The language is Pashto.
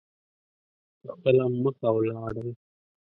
په خپله مخه ولاړل.